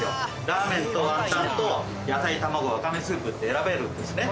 ラーメンとワンタンと野菜卵ワカメスープって選べるんですね